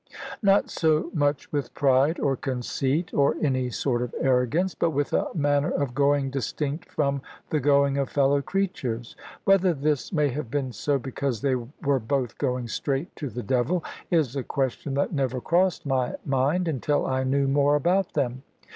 Not so much with pride, or conceit, or any sort of arrogance, but with a manner of going distinct from the going of fellow creatures. Whether this may have been so, because they were both going straight to the devil, is a question that never crossed my mind, until I knew more about them.